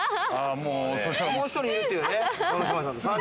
もう１人いるっていうね。